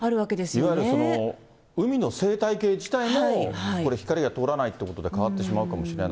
いわゆる海の生態系自体もこれ、光が通らないということで、変わってしまうかもしれない。